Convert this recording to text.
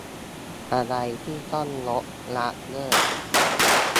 อะไรที่ต้องลด ละ เลิก